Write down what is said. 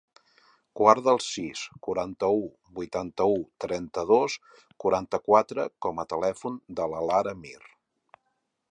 Guarda el sis, quaranta-u, vuitanta-u, trenta-dos, quaranta-quatre com a telèfon de la Lara Mir.